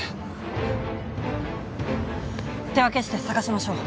手分けして捜しましょう。